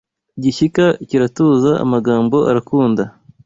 Igishyika kiratuza Amagambo arakunda